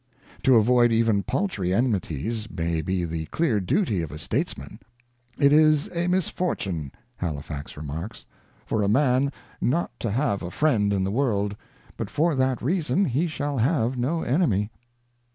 To avoid even paltry enmities may be the clear duty of a states man. ' It is a Misfortune ', Halifax remarks, ' for a Man not to have a Friend in the World, but for that reason he shall have no Enemy.'